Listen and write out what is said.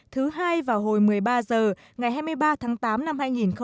thứ hai vào hồi một mươi ba giờ ngày hai mươi ba tháng tám năm hai nghìn một mươi bảy